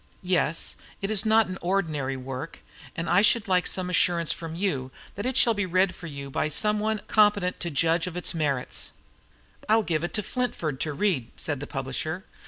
Yes, it is not ordinary work, and I should like some assurance from you that it shall be read for you by some one competent to judge of its merits." "I'll give it to Flintford to read," said the publisher.